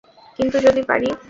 কিন্তু যদি পারি?